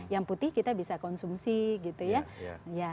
yang putih kita bisa konsumsi gitu ya